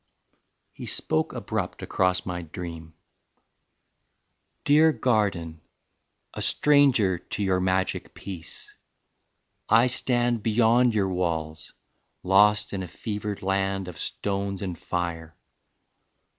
XIX. He spoke abrupt across my dream: "Dear Garden, A stranger to your magic peace, I stand Beyond your walls, lost in a fevered land Of stones and fire.